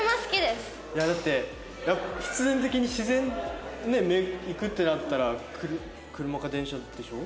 いやだって必然的に自然行くってなったら車か電車でしょ？